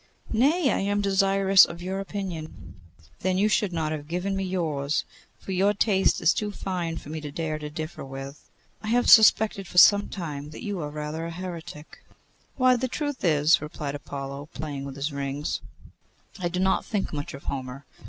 'Nay, I am desirous of your opinion.' 'Then you should not have given me yours, for your taste is too fine for me to dare to differ with it.' 'I have suspected, for some time, that you are rather a heretic' 'Why, the truth is,' replied Apollo, playing with his rings, 'I do not think much of Homer.